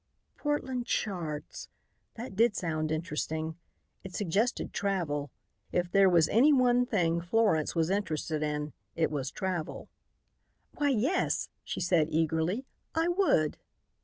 "Portland charts." That did sound interesting. It suggested travel. If there was any one thing Florence was interested in, it was travel. "Why, yes," she said eagerly, "I would."